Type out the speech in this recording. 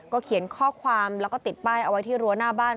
เขียนข้อความแล้วก็ติดป้ายเอาไว้ที่รั้วหน้าบ้าน